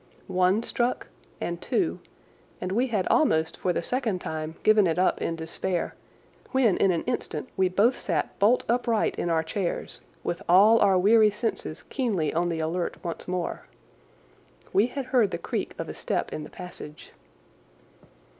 One struck, and two, and we had almost for the second time given it up in despair when in an instant we both sat bolt upright in our chairs with all our weary senses keenly on the alert once more. We had heard the creak of a step in the passage.